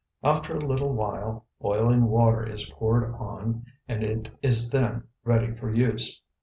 After a little while boiling water is poured on and it is then ready for use.